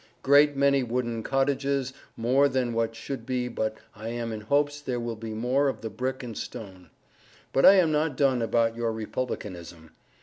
Great many wooden codages more than what should be but I am in hopes there will be more of the Brick and Stonn. But I am not done about your Republicanism.